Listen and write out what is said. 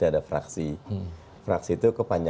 hai yang tanya